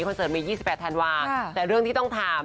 เสิร์ตมี๒๘ธันวาคแต่เรื่องที่ต้องถาม